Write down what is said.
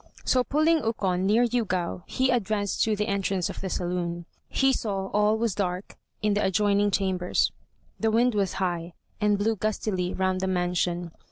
So pulling Ukon near Yûgao, he advanced to the entrance of the saloon. He saw all was dark in the adjoining chambers. The wind was high, and blew gustily round the mansion.